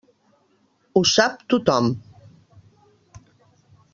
Ho sap tothom.